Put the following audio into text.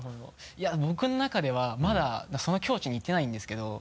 いや僕の中ではまだその境地にいってないんですけど。